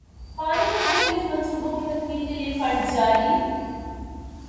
پانی کے مختلف منصوبوں کی تکمیل کیلئے فنڈز جاری